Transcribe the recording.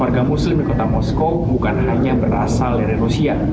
warga muslim di kota moskow bukan hanya berasal dari rusia